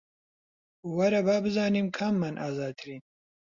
وەرە با بزانین کاممان ئازاترین